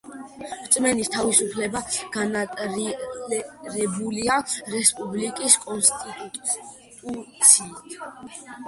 რწმენის თავისუფლება გარანტირებულია რესპუბლიკის კონსტიტუციით.